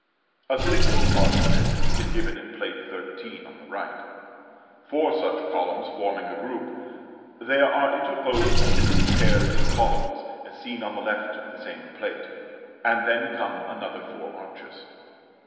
A single arch of it is given in Plate XIII. on the right. Four such columns forming a group, there are interposed two pairs of columns, as seen on the left of the same plate; and then come another four arches.